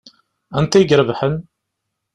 Anta i irebḥen?